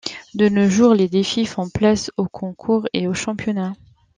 De nos jours les défis font place aux concours et aux championnats.